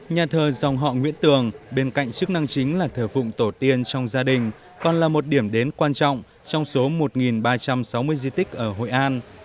nhà thờ dòng họ nguyễn tường bên cạnh chức năng chính là thờ phụng tổ tiên trong gia đình còn là một điểm đến quan trọng trong số một ba trăm sáu mươi di tích ở hội an